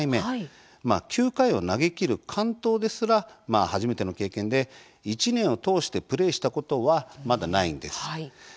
９回を投げきる完投ですら初めての経験で１年を通してプレーしたことはまだないんです。